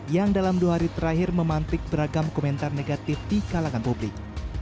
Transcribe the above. yang dalam dua hari terakhir memantik beragam komentar negatif di kalangan publik